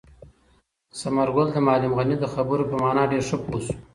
ثمر ګل د معلم غني د خبرو په مانا ډېر ښه پوه شو.